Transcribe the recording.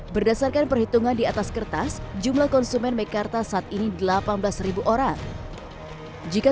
berdasarkan perhitungan di atas kertas jumlah konsumen mekarta saat ini delapan belas orang jika